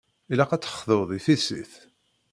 Ilaq ad texḍuḍ i tissit.